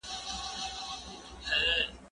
زه هره ورځ کتابونه لولم